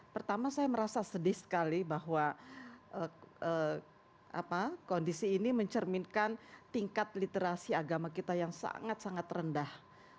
pertama saya merasa sedih sekali bahwa kondisi ini mencerminkan tingkat literasi agama kita yang sangat sangat rendah